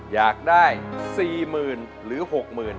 อยากได้สี่หมื่นหรือหกหมื่น